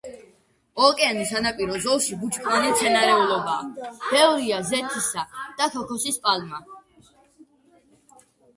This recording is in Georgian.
ოკეანის სანაპირო ზოლში ბუჩქოვანი მცენარეულობაა, ბევრია ზეთისა და ქოქოსის პალმა.